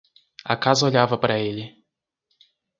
A casa olhava para ele.